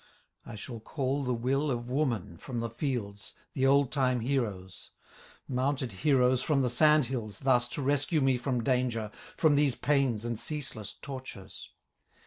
I shall call the will of woman, From the fields, the old time heroes, Mounted heroes from the sand hills, Thus to rescue me from danger, From these pains and ceaseless tortures.